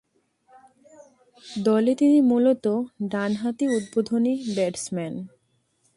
দলে তিনি মূলতঃ ডানহাতি উদ্বোধনী ব্যাটসম্যান।